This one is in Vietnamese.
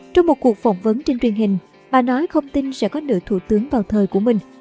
trong một cuộc phỏng vấn trên truyền hình bà nói không tin sẽ có nữ thủ tướng vào thời của mình